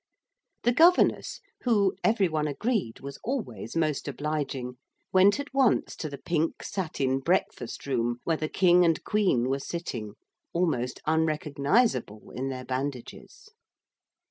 The governess who, every one agreed, was always most obliging, went at once to the pink satin breakfast room where the King and Queen were sitting, almost unrecognisable in their bandages.